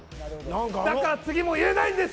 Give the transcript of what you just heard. だから次も言えないんです。